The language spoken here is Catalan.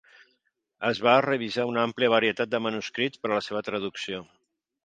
Es va revisar una àmplia varietat de manuscrits per a la seva traducció.